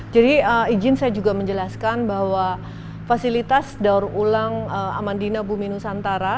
jadi izin saya juga menjelaskan bahwa fasilitas daur ulang amandina bumi nusantara